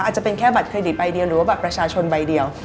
อาจจะเป็นแค่บัตรเครดิตใบเดียวหรือว่าบัตรประชาชนใบเดียว